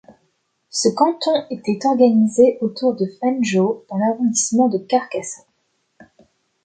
Ce canton était organisé autour de Fanjeaux dans l'arrondissement de Carcassonne.